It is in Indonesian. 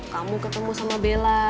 kamu ketemu sama bella